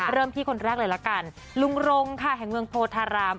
เริ่มที่คนแรกเลยละกันลุงรงค่ะแห่งเมืองโพธาราม